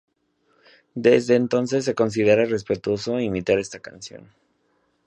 Desde entonces se considera irrespetuoso imitar esta acción.